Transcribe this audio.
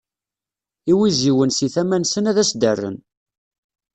Iwiziwen si tama-nsen ad as-d-rren.